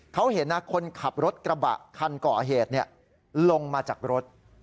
เขาเห็นคนขับรถกระบะคันก่อเหตุลงมาจากรถ